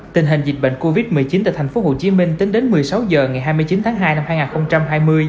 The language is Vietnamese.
tình hình dịch bệnh covid một mươi chín tại tp hcm tính đến một mươi sáu h ngày hai mươi chín tháng hai năm hai nghìn hai mươi